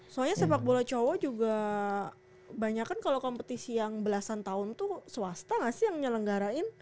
soalnya sepak bola cowok juga banyak kan kalau kompetisi yang belasan tahun tuh swasta gak sih yang nyelenggarain